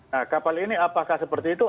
nah kapal ini apakah seperti itu